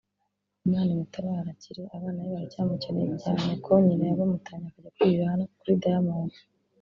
Imana imutabare akire abana be baracyamukeneye cyane ko nyina yabamutannye akajya kwirira iraha kuri Diamond